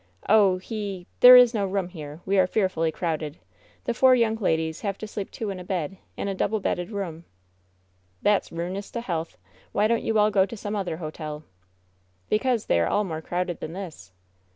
"Oh, he — there is no room here. We are fearfully crowded. The four young ladies have to sleep two in a bed, in a double bedded room." "That's ruinous to health. Why don't you all go to some other hotel ?" "Because they are all more crowded than this."